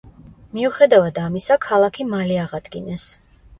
მიუხედავად ამისა, ქალაქი მალე აღადგინეს.